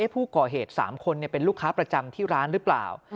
ผู้ก่อเหตุ๓คนเป็นลูกค้าประจำที่ร้านหรือเปล่า